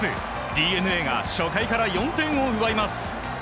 ＤｅＮＡが、初回から４点を奪います。